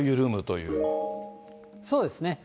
そうですね。